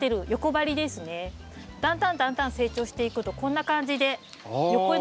だんだんだんだん成長していくとこんな感じで横に。